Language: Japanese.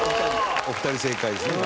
お二人正解ですね。